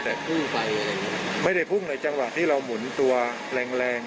แต่ไม่ได้พุ่งในจังหวะที่เราหมุนตัวแรง